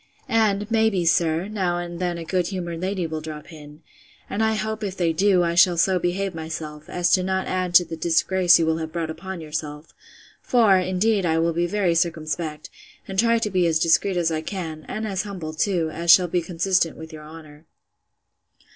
And, may be, sir, now and then a good humoured lady will drop in; and, I hope, if they do, I shall so behave myself, as not to add to the disgrace you will have brought upon yourself: for, indeed, I will be very circumspect, and try to be as discreet as I can; and as humble too, as shall be consistent with your honour.